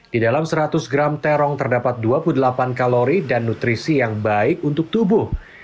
di dalam seratus gram terong terdapat dua puluh delapan kalori dan nutrisi yang baik untuk tubuh